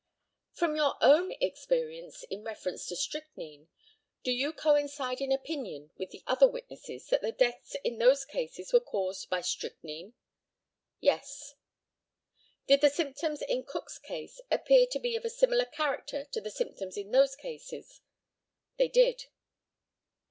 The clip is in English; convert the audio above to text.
From your own experience in reference to strychnine, do you coincide in opinion with the other witnesses, that the deaths in those cases were caused by strychnine? Yes. Did the symptoms in Cook's case appear to be of a similar character to the symptoms in those cases? They did.